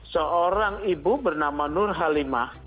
seorang ibu bernama nur halimah